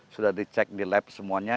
sudah dicek di lab semuanya